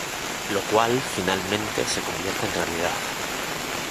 Lo cual finalmente se convierte en realidad.